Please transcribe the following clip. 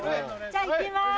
じゃあいきます。